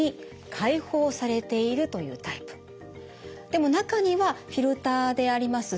でも中にはフィルターであります